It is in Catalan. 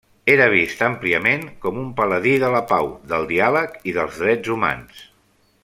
Era vist àmpliament com un paladí de la pau, del diàleg i dels drets humans.